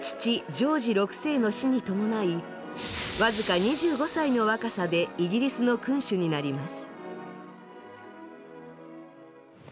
ジョージ６世の死に伴い僅か２５歳の若さでイギリスの君主になります。